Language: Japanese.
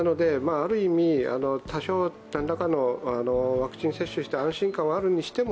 ある意味、多少何らかのワクチン接種して安心感はあるにしても